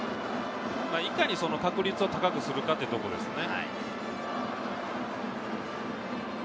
いかにその確率を高くするかというところですね。